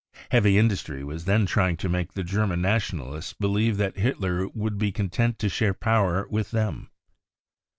Heavy industry was then trying to make the German Nationalists believe that Hitler would be content to share power with them.